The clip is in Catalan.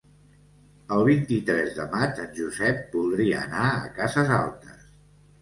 El vint-i-tres de maig en Josep voldria anar a Cases Altes.